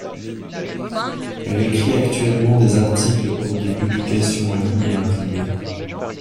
Elle écrit actuellement des articles pour des publications en ligne et imprimées.